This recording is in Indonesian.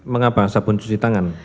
mengapa sabun cuci tangan